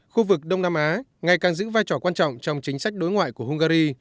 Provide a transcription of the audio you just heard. khu vực đông nam á ngày càng giữ vai trò quan trọng trong chính sách đối ngoại của hungary